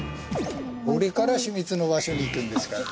これから秘密の場所に行くんですから。